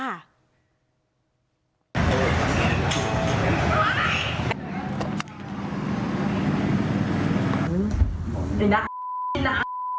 ไอ้หน้า